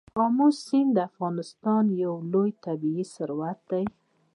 آمو سیند د افغانستان یو لوی طبعي ثروت دی.